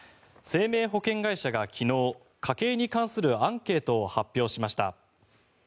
生命保険会社が昨日家計に関するアンケートを発表しました。